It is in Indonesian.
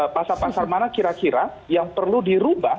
pasal pasal mana kira kira yang perlu dirubah